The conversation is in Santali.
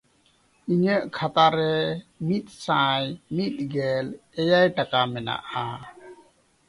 ᱤᱧᱟᱜ ᱠᱷᱟᱛᱟ ᱨᱮ ᱢᱤᱫᱥᱟᱭ ᱢᱤᱫᱜᱮᱞ ᱮᱭᱟᱭ ᱴᱟᱠᱟ ᱢᱮᱱᱟᱜᱼᱟ᱾